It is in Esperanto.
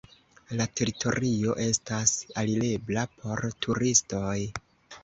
La teritorio estas alirebla por turistoj.